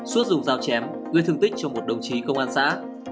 suốt dùng dao chém gây thương tích cho một đồng chí công an xã